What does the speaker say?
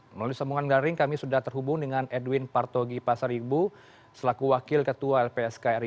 melalui sambungan garing kami sudah terhubung dengan edwin partogi pasaribu selaku wakil ketua lpsk ri